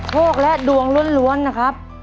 โชคและดวงล้วนนะครับ